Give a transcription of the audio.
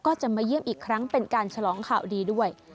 ก็จะมาเยี่ยมอีกครั้งเป็นการฉลองข่าวดีด้วย